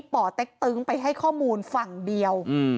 ป่อเต็กตึงไปให้ข้อมูลฝั่งเดียว